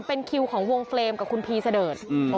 เป็นคิวของวงเฟรมกับคุณพีเสดิร์ด